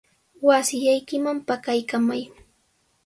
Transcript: Wasillaykiman pakaykallamay.